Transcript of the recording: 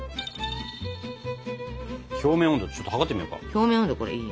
表面温度ちょっと測ってみようか。